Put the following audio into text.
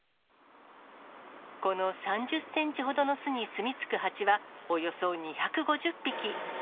この３０センチほどの巣に住みつく蜂は、およそ２５０匹。